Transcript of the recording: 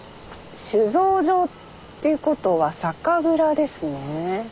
酒造場っていうことは酒蔵ですね。